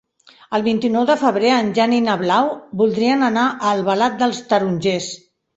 El vint-i-nou de febrer en Jan i na Blau voldrien anar a Albalat dels Tarongers.